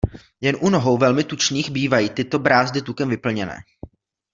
Jen u nohou velmi tučných bývají tyto brázdy tukem vyplněné.